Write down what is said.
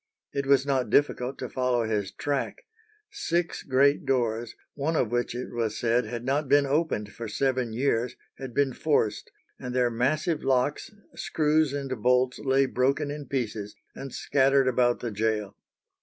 It was not difficult to follow his track. Six great doors, one of which it was said had not been opened for seven years, had been forced, and their massive locks, screws, and bolts lay broken in pieces, and scattered about the gaol.